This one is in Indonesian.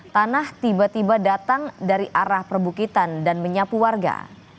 tanah tiba tiba datang dari arah perbukitan dan menyapu warga